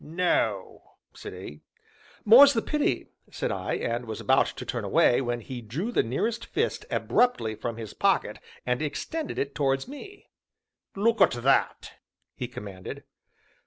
"No," said he. "More's the pity!" said I, and was about to turn away, when he drew the nearest fist abruptly from his pocket, and extended it towards me. "Look at that!" he commanded.